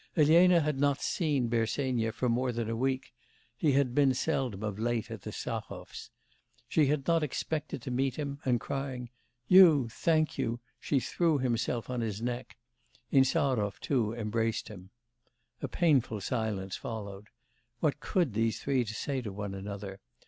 Elena had not seen Bersenyev for more than a week: he had been seldom of late at the Stahovs'. She had not expected to meet him; and crying, 'You! thank you!' she threw herself on his neck; Insarov, too, embraced him. A painful silence followed. What could these three say to one another?